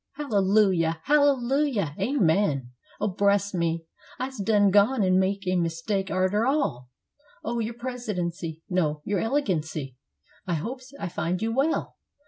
Hallelujah! hallelujah! amen! Oh, bress me, I's done gone an' make a mistake arter all. Oh, your Presidency no, your Elegancy, I hopes I find you well.